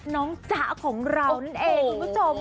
น้องจ๋าของเรานั่นเองคุณผู้ชมค่ะ